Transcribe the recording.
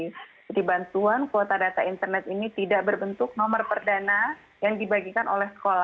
jadi bantuan kuota data internet ini tidak berbentuk nomor perdana yang dibagikan oleh sekolah